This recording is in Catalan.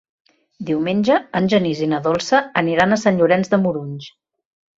Diumenge en Genís i na Dolça aniran a Sant Llorenç de Morunys.